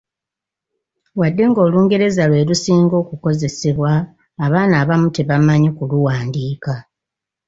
Wadde nga Olungereza lwe lusinga okukozesebwa, abaana abamu tebamanyi kuluwandiika.